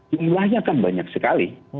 jumlahnya kan banyak sekali